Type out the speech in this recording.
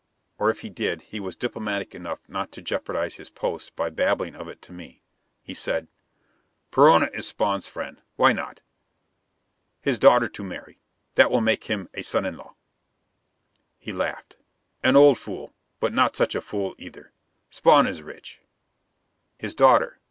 Or if he did, he was diplomatic enough not to jeopardize his post by babbling of it to me. He said: "Perona is Spawn's friend. Why not? His daughter to marry: that will make him a son in law." He laughed. "An old fool, but not such a fool either. Spawn is rich." "His daughter.